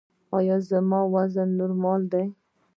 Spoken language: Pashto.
ایا زما وزن نورمال دی؟